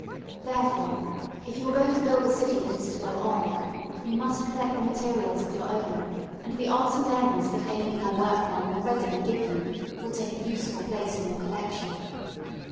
Therefore if you are going to build a city that is to go on, you must collect the materials of your own, and the odds and ends that amiable workmen will readily give you will take a useful place in your collection.